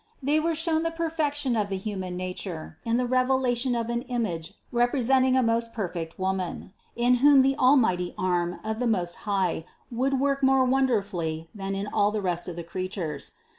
They were shown the perfection of the human nature in the revelation of an image represent ing a most perfect Woman, in whom the almighty arm of the Most High would work more wonderfully than in all the rest of the creatures.